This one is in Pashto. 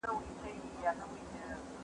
ساعت ولې په ټک ټک پیل نه کوي؟